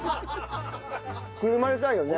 くるまれたいよね。